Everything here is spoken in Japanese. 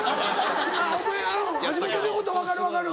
うん橋本の言うこと分かる分かる。